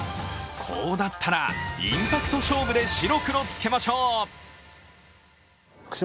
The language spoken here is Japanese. こうなったらインパクト勝負で白黒つけましょう。